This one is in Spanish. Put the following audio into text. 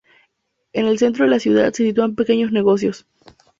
En el centro de la ciudad se sitúan pequeños negocios.